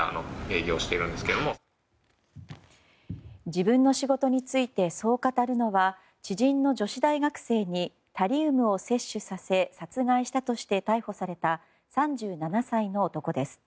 自分の仕事についてそう語るのは知人の女子大学生にタリウムを摂取させ殺害したとして逮捕された３７歳の男です。